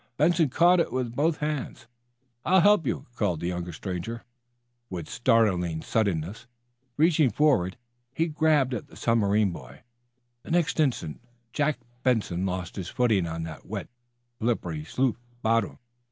Benson caught it with both hands. "I'll help you," called the younger stranger with startling suddenness, reaching forward. He grabbed at the submarine boy. The next instant Jack Benson lost his footing on that wet, slippery sloop bottom.